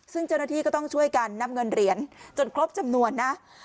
ซึ่งเจ้าหน้าที่ก็ต้องช่วยกันนำเงินเหรียญจนครบจำนวนนะ